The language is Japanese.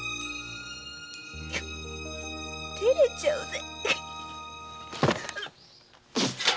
照れちゃうぜ！